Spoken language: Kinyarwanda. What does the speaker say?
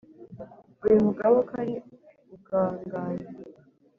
Uyu mugabe ko ari urugangazi,